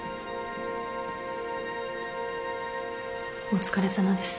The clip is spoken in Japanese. お疲れさまです。